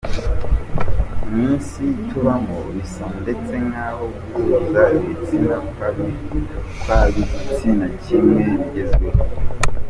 "Mu isi tubamo, bisa ndetse nkaho guhuza ibitsina kw'ab'igitsina kimwe bigezweho.